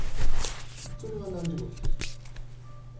それは何時頃？